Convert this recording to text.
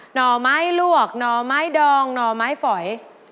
ห่อไม้ลวกหน่อไม้ดองหน่อไม้ฝอย